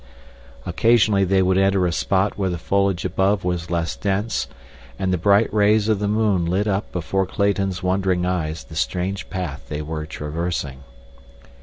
Occasionally they would enter a spot where the foliage above was less dense, and the bright rays of the moon lit up before Clayton's wondering eyes the strange path they were traversing.